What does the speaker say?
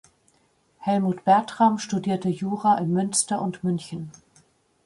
Helmut Bertram studierte Jura in Münster und München.